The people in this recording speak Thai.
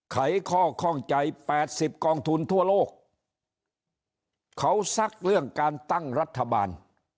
ไขข้อข้องใจแปดสิบกองทุนทั่วโลกเขาซักเรื่องการตั้งรัฐบาล